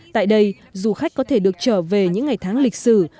tại đây du khách có thể được trở về những ngày tháng lịch sử